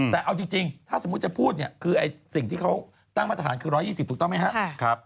แต่เอาจริงถ้าสมมุติจะพูดเนี่ยคือสิ่งที่เขาตั้งมาตรฐานคือ๑๒๐ถูกต้องไหมครับ